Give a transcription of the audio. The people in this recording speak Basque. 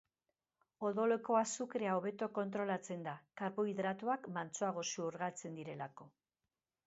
Odoleko azukrea hobeto kontrolatzen da, karbohidratoak mantsoago xurgatzen direlako.